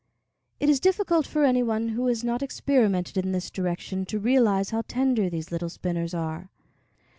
It is difficult for any one who has not experimented in this direction to realize how tender these little spinners are.